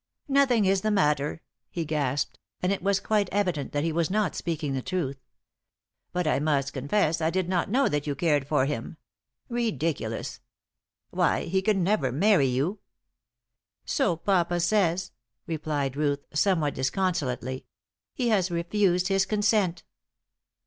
"Nothing is the matter," he gasped, and it was quite evident that he was not speaking the truth. "But I must confess I did not know that you cared for him. Ridiculous! Why, he can never marry you." "So papa says," replied Ruth, somewhat disconsolately. "He has refused his consent."